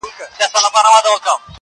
ستا د خولې سلام مي د زړه ور مات كړ,